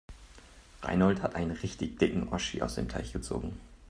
Reinhold hat einen richtig dicken Oschi aus dem Teich gezogen.